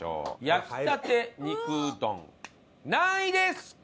焼きたて肉うどん何位ですか？